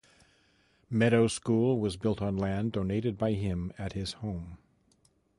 Meadow School was built on land donated by him at his home.